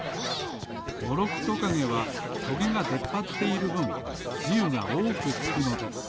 モロクトカゲはトゲがでっぱっているぶんつゆがおおくつくのです。